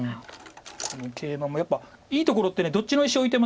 このケイマもやっぱいいところってどっちの石を置いても。